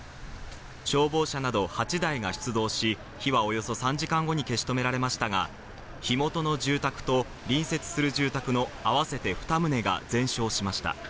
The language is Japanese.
消防車など８台が出動し火はおよそ３時間後に消し止められましたが、火元の住宅と隣接する住宅の合わせて２棟が全焼しました。